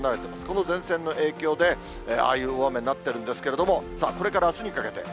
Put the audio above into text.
この前線の影響で、ああいう大雨になっているんですけれども、さあ、これからあすにかけて。